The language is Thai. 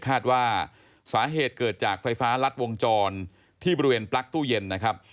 คาดว่าสาเหตุเกิดจากไฟฟ้ารัดวงจรที่บริเวณปลั๊กตู้เย็นนะครับ